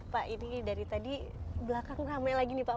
pak ini dari tadi belakang ramai lagi nih pak